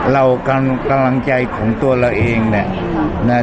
เรากำลังใจของตัวเราเองเนี่ย